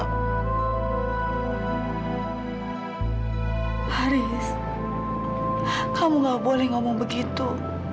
haris kamu gak boleh ngomong begitu